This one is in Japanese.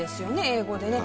英語でね。